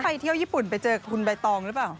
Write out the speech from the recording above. ไปเที่ยวญี่ปุ่นไปเจอคุณใบตองหรือเปล่า